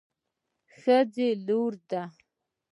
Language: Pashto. ښځه لور ده